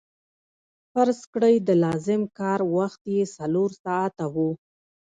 فرض کړئ د لازم کار وخت چې څلور ساعته وو